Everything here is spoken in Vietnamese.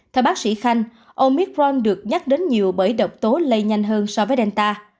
theo bác sĩ khanh omicron được nhắc đến nhiều bởi độc tố lây nhanh hơn so với delta